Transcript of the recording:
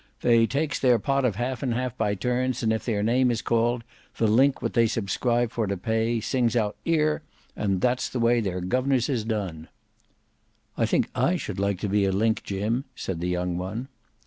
"They takes their pot of half and half by turns, and if their name is called, the link what they subscribe for to pay, sings out 'here;' and that's the way their guvners is done." "I think I should like to be a link Jim," said the young one.